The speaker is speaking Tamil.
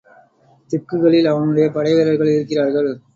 திக்குகளில் அவனுடைய படைவீரர்கள் இருக்கிறார்கள்.